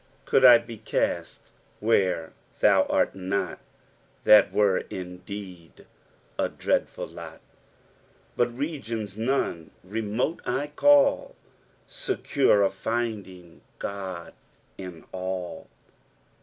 Coald I be cast where thou art not, That were Indeed a dre»l[ul lot, But regions none remole I call, Secars of Undlng Qod In all."